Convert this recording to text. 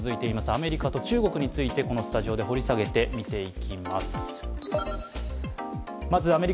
アメリカと中国についてこのスタジオで掘り下げていきます。